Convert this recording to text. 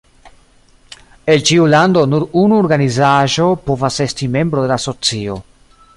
El ĉiu lando nur unu organizaĵo povas esti membro de la asocio.